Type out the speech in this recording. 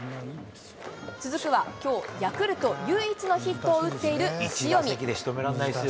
続くは、きょうヤクルト唯一のヒットを打っている塩見。